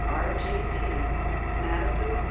R. G. T. MADISON, Wis.